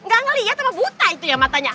gak ngeliat sama buta itu ya matanya